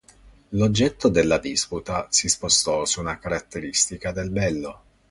L'oggetto della disputa si spostò su una caratteristica del "bello".